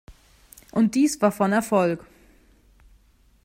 Und dies war von Erfolg.